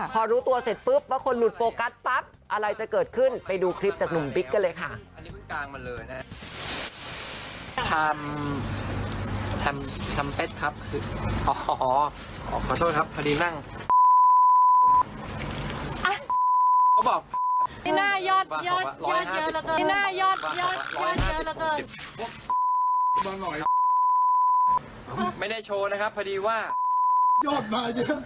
พอรู้ตัวเสร็จปุ๊บว่าคนหลุดโฟกัสปั๊บอะไรจะเกิดขึ้นไปดูคลิปจากหนุ่มบิ๊กกันเลยค่ะ